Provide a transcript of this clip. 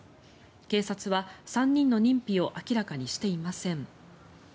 警察は３人の認否を明らかにしていません。